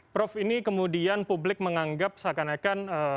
prof ini kemudian publik menganggap seakan akan